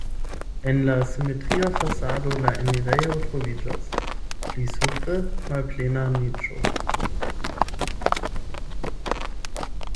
En la simetria fasado la enirejo troviĝas, pli supre malplena niĉo.